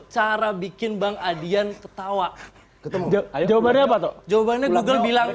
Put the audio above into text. cara bikin bang adrian ketawa ketemu jawabannya google bilang